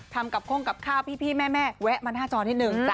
ทำกับโค้งกับข้าวพี่แม่แวะมาหน้าจอนิดนึง